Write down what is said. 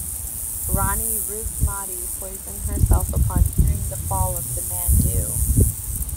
Rani Roopmati poisoned herself upon hearing of the fall of Mandu.